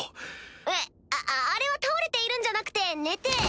えっああれは倒れているんじゃなくて寝て。